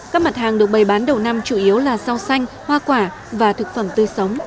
các mặt hàng được bày bán đầu năm chủ yếu là rau xanh hoa quả và thực phẩm tươi sống